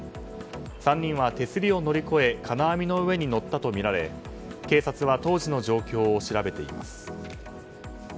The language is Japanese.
３人は手すりを乗り越え金網の上に乗ったとみられ警察は当時の状況を調べています。